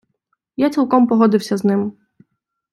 Я цілком погодився з ним.